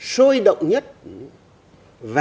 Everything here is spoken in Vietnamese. sôi động nhất và